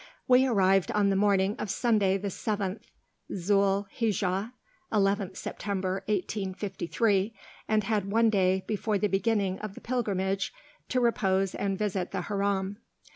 We arrived on the morning of Sunday the 7th Zu'l Hijjah (11th September, 1853), and had one day before the beginning of the pilgrimage to repose and visit the Haram.